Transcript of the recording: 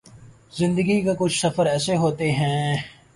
زندگی کے کچھ سفر ایسے ہوتے ہیں